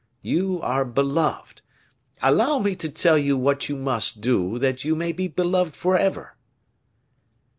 You are beloved! allow me to tell you what you must do that you may be beloved forever."